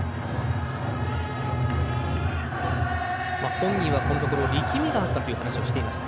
本人はこのところ力みがあったという話をしていました。